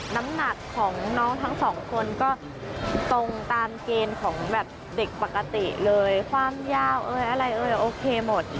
น้ำหนักของน้องทั้งสองคนก็ตรงตามเกณฑ์ของแบบเด็กปกติเลยความยาวเอ้ยอะไรเอ้ยโอเคหมด